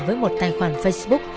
với một tài khoản facebook